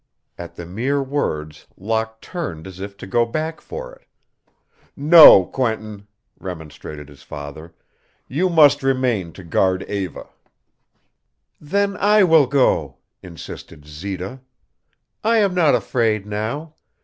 At the mere words Locke turned as if to go back for it. "No, Quentin," remonstrated his father. "You must remain to guard Eva." "Then I will go," insisted Zita. "I am not afraid now.